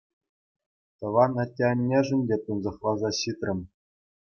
Тӑван атте-аннешӗн те тунсӑхласа ҫитрӗм.